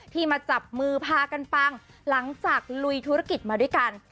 มาจับมือพากันปังหลังจากลุยธุรกิจมาด้วยกัน